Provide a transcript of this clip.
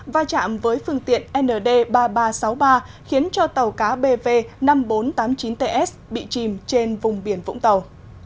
va chạm với phương tiện nd ba nghìn ba trăm sáu mươi ba khiến cho tàu cá bv năm nghìn bốn trăm tám mươi chín ts bị chìm trên vùng biển vũng tàu